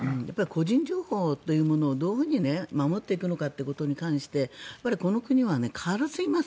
個人情報というものをどういうふうに守っていくのかということに関してこの国は軽すぎます。